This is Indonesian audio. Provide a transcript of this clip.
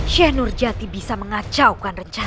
syekh nurjati bisa mengacaukan rencanaku